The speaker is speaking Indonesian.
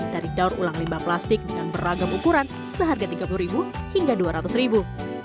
dari daur ulang limbah plastik dengan beragam ukuran seharga tiga puluh ribu hingga dua ratus ribu